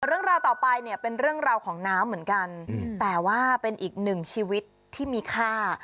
เรื่องราวต่อไปเนี่ยเป็นเรื่องราวของน้ำเหมือนกันแต่ว่าเป็นอีกหนึ่งชีวิตที่มีค่า